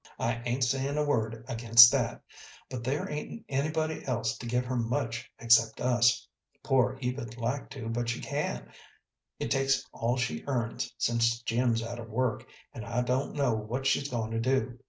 I ain't sayin' a word against that; but there ain't anybody else to give her much except us. Poor Eva 'd like to, but she can't; it takes all she earns, since Jim's out of work, and I don't know what she's goin' to do.